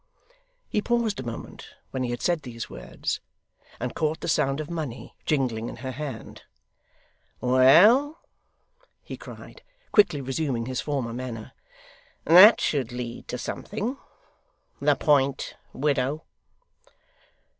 He paused a moment when he had said these words, and caught the sound of money, jingling in her hand. 'Well?' he cried, quickly resuming his former manner. 'That should lead to something. The point, widow?